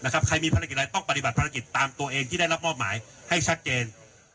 ใครมีภารกิจอะไรต้องปฏิบัติภารกิจตามตัวเองที่ได้รับมอบหมายให้ชัดเจน